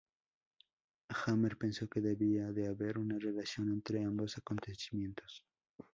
Hamer pensó que debía de haber una relación entre ambos acontecimientos.